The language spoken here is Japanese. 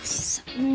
うん？